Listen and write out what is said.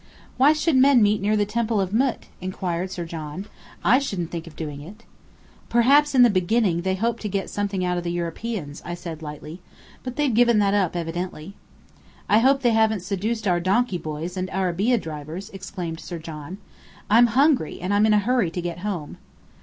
"Why should men meet near the Temple of Mût?" inquired Sir John. "I shouldn't think of doing it." "Perhaps in the beginning they hoped to get something out of the Europeans," said I lightly. "But they've given that up, evidently." "I hope they haven't seduced our donkey boys and arabeah drivers!" exclaimed Sir John. "I'm hungry. And I'm in a hurry to get home."